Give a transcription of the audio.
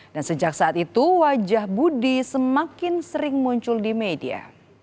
dan sejak saat itu wajah budi semakin sering muncul di media